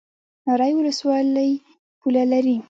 ناری ولسوالۍ پوله لري؟